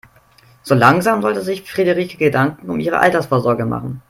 So langsam sollte sich Frederike Gedanken um ihre Altersvorsorge machen.